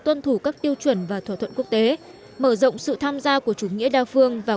tuân thủ các tiêu chuẩn và thỏa thuận quốc tế mở rộng sự tham gia của chủ nghĩa đa phương vào